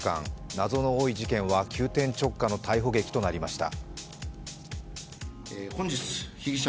謎の多い事件は急転直下の逮捕劇となりました。